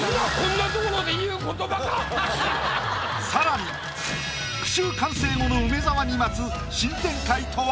更に句集完成後の梅沢に待つ新展開とは⁉